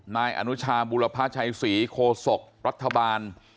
นายอนุชาบุรพาชัยศรีโคศกรัฐบาล